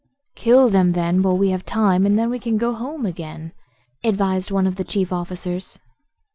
"Kill them, then, while we have time, and then we can go home again," advised one of the chief officers.